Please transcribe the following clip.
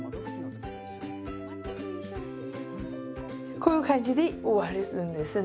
こういう感じで終わるんですね。